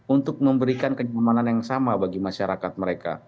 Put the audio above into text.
untuk memberikan kenyamanan yang sama bagi masyarakat mereka